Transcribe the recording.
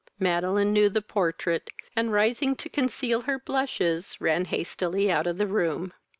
Madeline knew the portrait, and, rising to conceal her blushes, ran hastily out of the room.